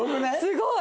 すごい！